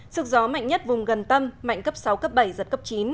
sức gió mạnh nhất vùng gần tâm mạnh cấp sáu cấp bảy giật cấp chín